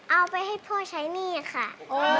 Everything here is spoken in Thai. เอาไปให้พ่อใช้หนี้ค่ะ